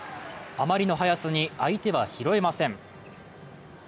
余りの速さに相手は拾えません。